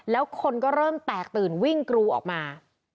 แล้วคนก็เริ่มแตกตื่นวิ่งกรูออกมา